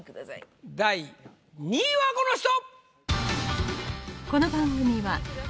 第２位はこの人！